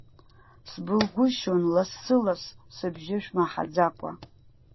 Сбылгәышьон лассы-ласс сыбжьы шәмаҳаӡакәа.